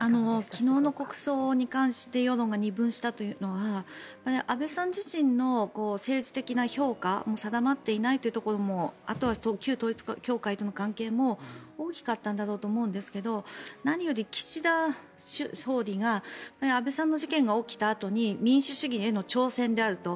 昨日の国葬に関して世論が二分したというのは安倍さん自身の政治的な評価も定まっていないというところもあとは旧統一教会との関係も大きかったんだろうと思うんですけど何より岸田総理が安倍さんの事件が起きたあとに民主主義への挑戦であると。